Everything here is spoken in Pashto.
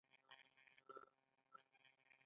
په هغه کلي کې چې بانک نه وي چک ګټه نلري